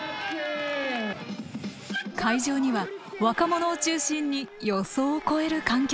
会場には若者を中心に予想を超える観客が集まった。